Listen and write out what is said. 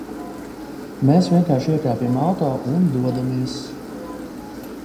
Mēs vienkārši iekāpjam auto un dodamies...